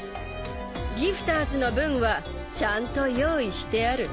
ギフターズの分はちゃんと用意してある。